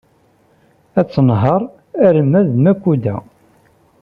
Ad tenheṛ arma d Makuda.